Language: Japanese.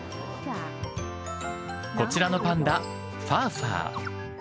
こちらのパンダ、ファーファー。